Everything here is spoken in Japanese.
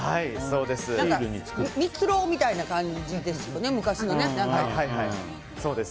蜜ろうみたいな感じですよね昔のね。